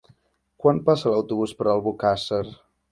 Quan passa l'autobús per Albocàsser?